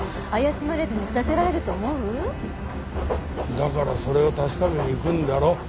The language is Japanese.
だからそれを確かめに行くんだろ。